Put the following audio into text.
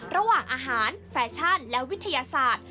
ระหว่างอาหารแฟชั่นและวิทยาศาสตร์